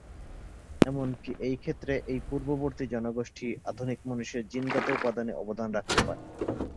এমনকি এই ক্ষেত্রে এই পূর্ববর্তী জনগোষ্ঠী আধুনিক মানুষের জিনগত উপাদানে অবদান রাখতে পারে।